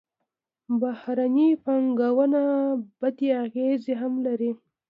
بهرنۍ پانګونه بدې اغېزې هم لري.